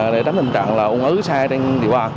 để tránh tình trạng uốn ứ xa trên địa bàn